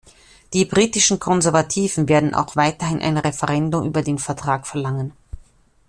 Die britischen Konservativen werden auch weiterhin ein Referendum über den Vertrag verlangen.